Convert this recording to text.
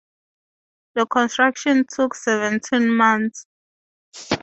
The construction took seventeen months.